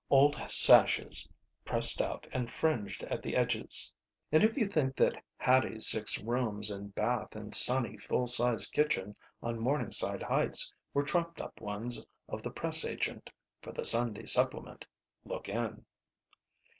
Old sashes, pressed out and fringed at the edges. And if you think that Hattie's six rooms and bath and sunny, full sized kitchen, on Morningside Heights, were trumped up ones of the press agent for the Sunday Supplement, look in.